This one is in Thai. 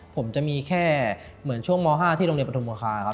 ผมจะมีแค่เหมือนช่วงม๕ที่โรงเรียนประทุมโมคาครับ